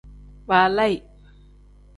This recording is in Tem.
Balaayi.